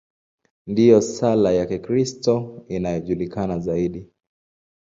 Ndiyo sala ya Kikristo inayojulikana zaidi.